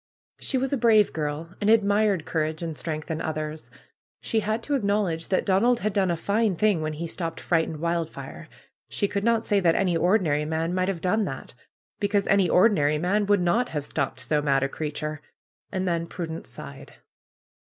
She was a brave girl, and admired courage and strength in others. She had to acknowledge that Donald had done a fine thing when he stopped frightened Wildfire. She could not say that any ordinary man might have done that; PRUE'S GARDENER 199 because any ordinary man would not have stopped so mad a creature. And then Prudence sighed.